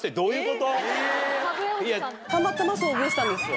たまたま遭遇したんですよ